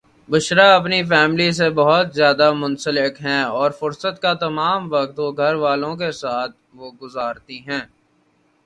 بشریٰ اپنی فیملی سے بوہت زیاد منسلک ہیں اور فرست کا تمم وقت گھر والوں کے ساتھ وہ گجراتی ہیں